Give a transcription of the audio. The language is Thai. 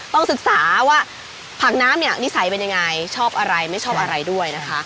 ต้องศึกษาว่าผักน้ำเนี่ยนิสัยเป็นยังไงชอบอะไรไม่ชอบอะไรด้วยนะคะ